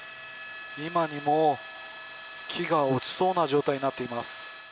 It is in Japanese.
今にも木が落ちそうな状態になっています。